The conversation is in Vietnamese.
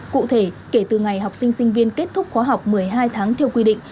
cụ thể kể từ ngày học sinh sinh viên kết thúc khóa học một mươi hai tháng theo quy định